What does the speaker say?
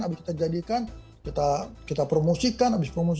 habis kita jadikan kita promosikan